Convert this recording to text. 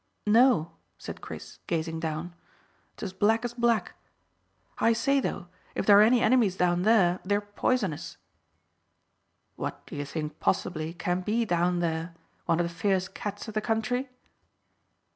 "No," said Chris, gazing down. "It's as black as black. I say, though, if there are any enemies down there they're poisonous." "What do you think possibly can be down there one of the fierce cats of the country?"